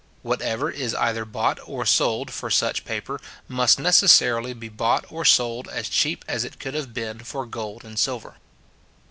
Whatever is either bought or sold for such paper, must necessarily be bought or sold as cheap as it could have been for gold and silver.